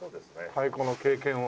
太鼓の経験を。